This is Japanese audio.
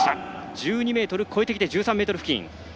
１２ｍ越えてきて１３ｍ付近。